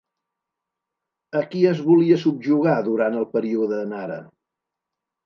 A qui es volia subjugar durant el període Nara?